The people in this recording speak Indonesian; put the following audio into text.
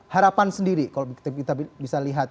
harapan sendiri kalau kita bisa lihat